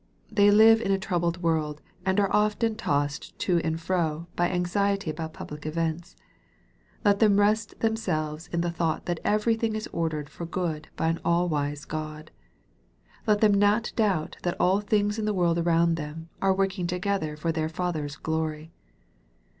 They live in a troubled world, and are often tossed to and fro by anxiety about public events. Let them rest them selves in the thought that everything is ordered for good by an all wise God. Let them not doubt that all things in the world around them, are working together for their Father's glory.